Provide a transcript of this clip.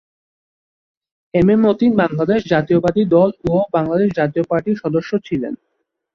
M A Matin Bangladesh জাতীয়তাবাদী দল ও বাংলাদেশ জাতীয় পার্টির সদস্য ছিলেন।